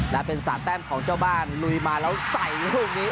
และเป็น๓แต้มของเจ้าบ้านลุยมาแล้วใส่ลูกนี้